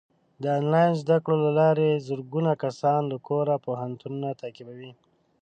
د آنلاین زده کړو له لارې زرګونه کسان له کوره پوهنتونونه تعقیبوي.